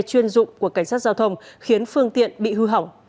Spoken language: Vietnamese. chuyên dụng của cảnh sát giao thông khiến phương tiện bị hư hỏng